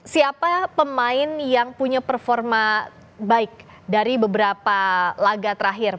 siapa pemain yang punya performa baik dari beberapa laga terakhir